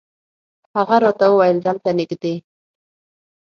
هغه راته وویل دلته نږدې.